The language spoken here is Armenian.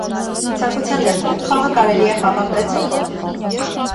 Ցանկության դեպքում խաղը կարելի է խաղալ վեց հոգով։